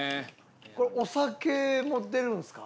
これお酒も出るんですか？